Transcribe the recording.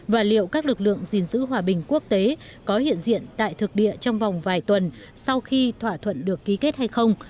và liệu các lực lượng gìn giữ hòa bình quốc tế có hiện diện tại thực địa trong vòng vài tuần sau khi thỏa thuận được ký kết hay không